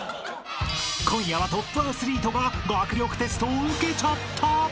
［今夜はトップアスリートが学力テストを受けちゃった！］